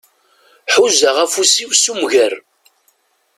Ḥuzaɣ afus-iw s umger.